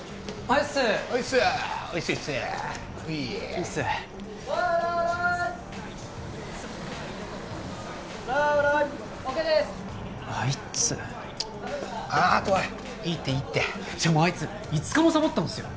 あ斗也いいってでもあいつ５日もサボったんすよ